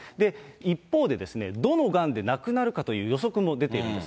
一方で、どのがんで亡くなるかという予測も出ているんです。